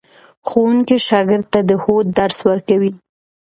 ښوونکی شاګرد ته د هوډ درس ورکوي.